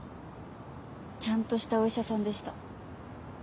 ちゃんとしたお医者さんでした。